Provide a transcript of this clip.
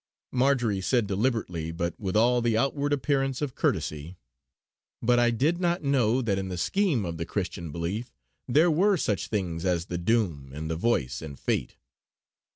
Marjory said deliberately, but with all the outward appearance of courtesy: "But I did not know that in the scheme of the Christian belief there were such things as the Doom and the Voice and Fate!"